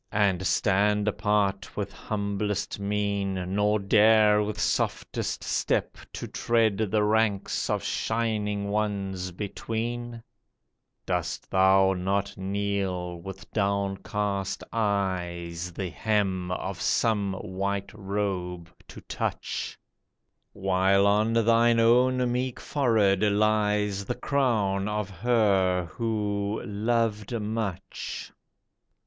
And stand apart with humblest mien, Nor dare with softest step to tread The ranks of shining Ones between ? Dost thou not kneel with downcast eyes The hem of some white robe to touch. While on thine own meek forehead lies The crown of her who '' loved much